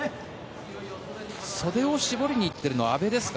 袖を絞りに行っているのは阿部ですか？